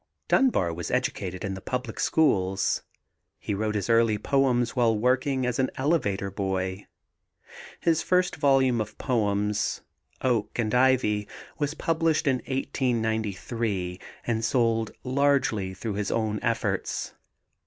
Dunbar was educated in the public schools. He wrote his early poems while working as an elevator boy. His first volume of poems, Oak and Ivy, was published in 1893 and sold largely through his own efforts.